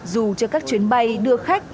dù cho các chuyến bay đưa khách